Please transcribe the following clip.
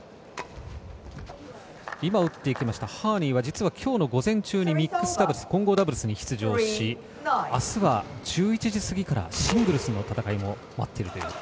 今打っていきましたハーニーは、きょうの午前中にミックスダブルスに出場しあすは１１時過ぎからシングルスの戦いも待っているという。